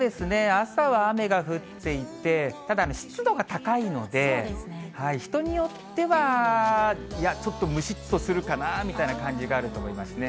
朝は雨が降っていて、ただ湿度が高いので、人によっては、ちょっとムシッとするかなという感じがあると思いますね。